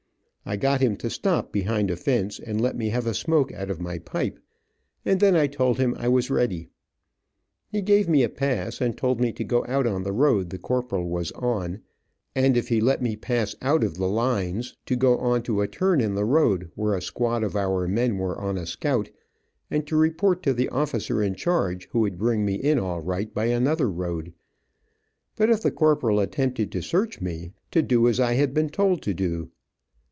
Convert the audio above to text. I got him to stop behind a fence and let me have a smoke out of my pipe, and then I told him I was ready. He gave me a pass, and told me to go out on the road the corporal was on, and if he let me pass out of the lines to go on to a turn in the road, where a squad of our men were on a scout, and to report to the officer in charge, who would bring me in all right, by another road, but if the corporal attempted to search me, to do as I had been told to do.